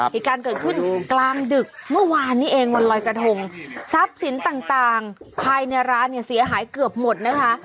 เหตุการณ์เกิดขึ้นกลางดึกเมื่อวานนี้เองวันลอยกระทงทรัพย์สินต่างภายในร้านเนี่ยเสียหายเกือบหมดนะคะ